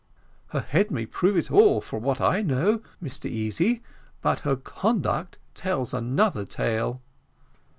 "The head may prove it all for what I know, Mr Easy, but her conduct tells another tale."